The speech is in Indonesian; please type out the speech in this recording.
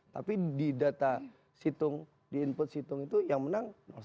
tapi di data situng di input situng itu yang menang satu